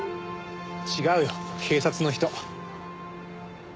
違うよ警察の人。